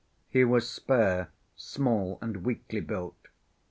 He was spare, small and weakly built.